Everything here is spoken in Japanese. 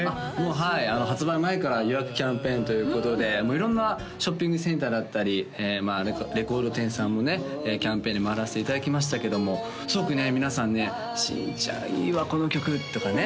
はい発売前から予約キャンペーンということで色んなショッピングセンターだったりレコード店さんもねキャンペーンに回らせていただきましたけどもすごくね皆さんね「新ちゃんいいわこの曲」とかね